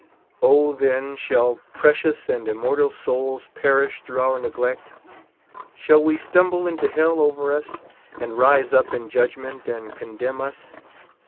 O, then, shall precious and immortal souls per ish through our neglect ? Shall they stumble into hell over us, and rise up in judgment and condemn us